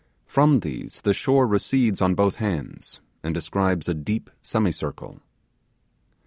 From these the shore recedes on both hands, and describes a deep semicircle.